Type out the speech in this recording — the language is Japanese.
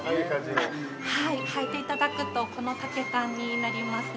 はいていただくと、この丈感になりますね。